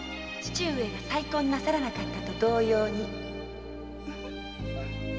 父上が再婚なさらなかったと同様に